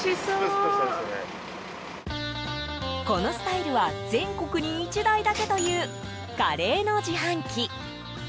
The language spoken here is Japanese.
このスタイルは全国に１台だけというカレーの自販機。